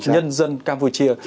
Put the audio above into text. nhân dân campuchia